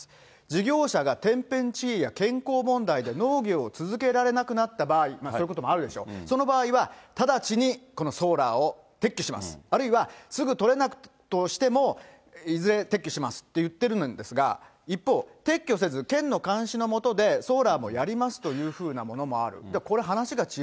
事業者が天変地異や、健康問題で農業を続けられなくなった場合、そういうこともあるでしょ、その場合は、直ちにこのソーラーを撤去します、あるいは、すぐ取れないとしても、いずれ撤去しますって言ってるんですが、一方、撤去せず、県の監視の下で、ソーラーもやりますというようなものもある。